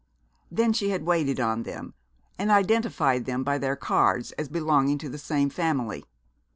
Then she had waited on them, and identified them by their cards as belonging to the same family.